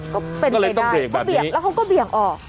ก็ต้องเบรกแบบนี้